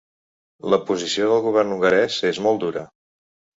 La posició del govern hongarès és molt dura.